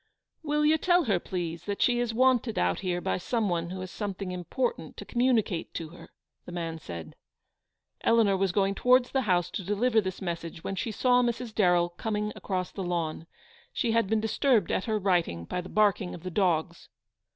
" Will you tell her, please, that she is wanted out here by some one who has something im portant to communicate to her," the man said. Eleanor was going towards the house to deliver this message, when she saw Mrs. Darrell coming across the lawn. She had been disturbed at her writing by the barking of the dogs.